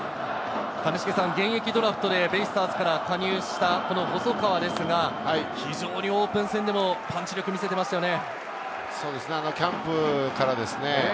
現役ドラフトでベイスターズから加入したこの細川ですが、非常にオープン戦でもパンチ力を見せていましたね。